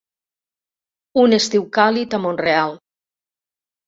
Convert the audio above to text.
Un estiu càlid a Mont-real.